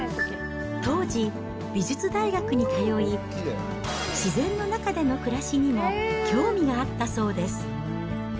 当時、美術大学に通い、自然の中での暮らしにも興味があったそうです。